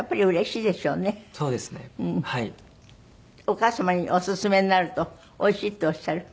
お母様にお勧めになるとおいしいっておっしゃる？